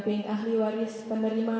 ku lestari dari dua orang